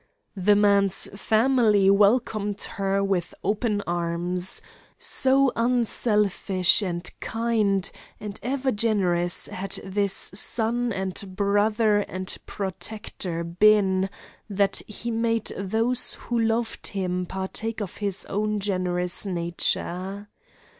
The man's family welcomed her with open arms. So unselfish, and kind, and ever generous had this son, and brother, and protector been, that he made those who loved him partake of his own generous nature.